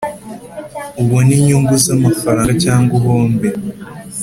ubone inyungu z amafaranga cyangwa uhombe